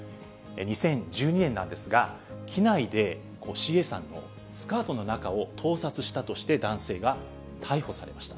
２０１２年なんですが、機内でＣＡさんのスカートの中を盗撮したとして男性が逮捕されました。